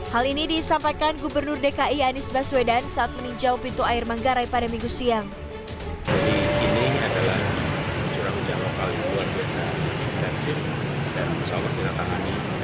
hal ini disampaikan gubernur dki anies baswedan saat meninjau pintu air manggarai pada minggu siang